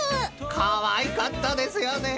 ［かわいかったですよねえ！］